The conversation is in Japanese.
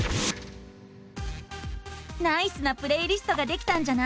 ナイスなプレイリストができたんじゃない！